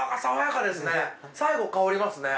最後香りますね！